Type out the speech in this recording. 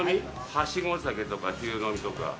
はしご酒とか、昼飲みとか。